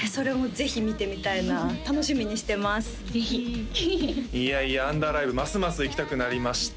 ぜひいやいやアンダーライブますます行きたくなりました